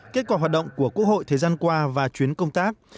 kết quả hoạt động của quốc hội thời gian qua và chuyến công tác